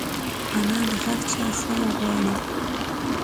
انا د هر چا ښه غواړي